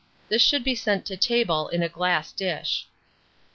This should be sent to table in a glass dish.